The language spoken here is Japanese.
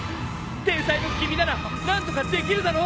天才の君なら何とかできるだろ！？